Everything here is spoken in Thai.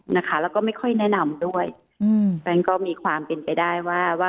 นะคะแล้วก็ไม่ค่อยแนะนำด้วยก็มีความเป็นไปได้ว่า